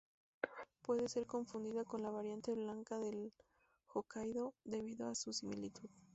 Puede ser confundida con la variante blanca del Hokkaido, debido a su similitud.